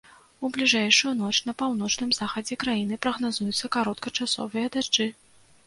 У бліжэйшую ноч на паўночным захадзе краіны прагназуюцца кароткачасовыя дажджы.